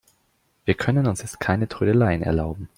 Wir können uns jetzt keine Trödeleien erlauben.